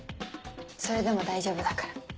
それでも大丈夫だから。